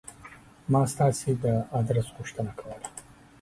ما ستاسې د آدرس غوښتنه کوله.